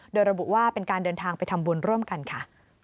โดยระบุว่าเป็นการเดินทางไปทำบุญร่วมกันค่ะ